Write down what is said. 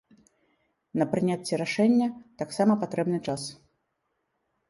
На прыняцце рашэння таксама патрэбны час.